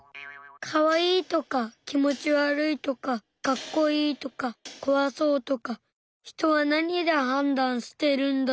かわいいとか気持ち悪いとかかっこいいとかこわそうとか人はなにで判断してるんだろう？